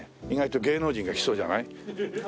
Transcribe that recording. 意外と芸能人が着そうじゃない？